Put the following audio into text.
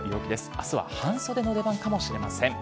あすは半袖の出番かもしれません。